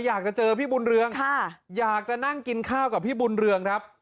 อยากจะเจอพี่บุญเรืองอยากจะนั่งกินข้าวกับพี่บุญเรืองครับ